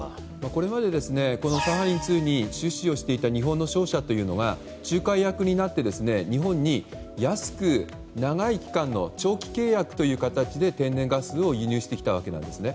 これまでサハリン２に出資していた日本の商社というのは仲介役になって日本に安く長い期間の長期契約という形で天然ガスを輸入してきたわけなんです。